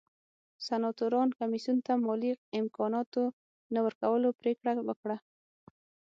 سناتورانو کمېسیون ته مالي امکاناتو نه ورکولو پرېکړه وکړه